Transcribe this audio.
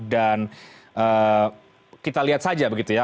dan kita lihat saja begitu ya